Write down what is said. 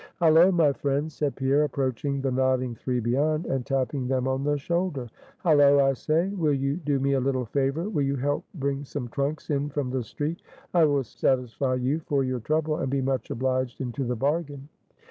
"Hallo, my friends," said Pierre, approaching the nodding three beyond, and tapping them on the shoulder "Hallo, I say! Will you do me a little favor? Will you help bring some trunks in from the street? I will satisfy you for your trouble, and be much obliged into the bargain."